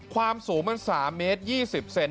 ความสูงมัน๓เมตร๒๐เซน